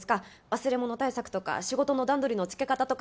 忘れ物対策とか仕事の段取りのつけ方とか。